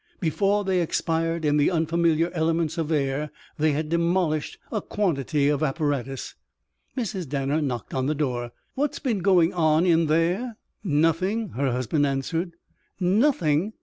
Before they expired in the unfamiliar element of air, they had demolished a quantity of apparatus. Mrs. Danner knocked on the door. "What's been going on in there?" "Nothing," her husband answered. "Nothing!